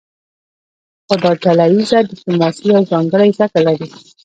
خو دا ډله ایزه ډیپلوماسي یو ځانګړی شکل لري